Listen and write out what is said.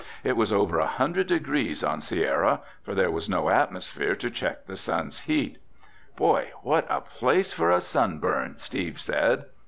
It was over a hundred degrees on Sierra, for there was no atmosphere to check the sun's heat. "Boy, what a place for a sunburn!" Steve said.